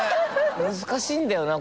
難しいんだよな